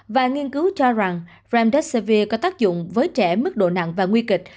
và nghiên cứu cho rằng framdesivir có tác dụng với trẻ mức độ nặng và nguy kịch